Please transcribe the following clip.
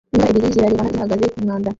Imbwa ebyiri zirarebana zihagaze kumwanda